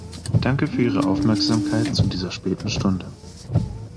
Danke für Ihre Aufmerksamkeit zu dieser späten Stunde.